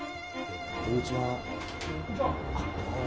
こんにちは。